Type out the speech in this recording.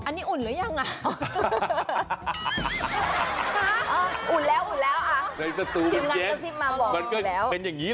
อันนี้อุ่นรึยัง